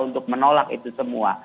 untuk menolak itu semua